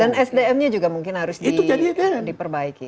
sdm nya juga mungkin harus diperbaiki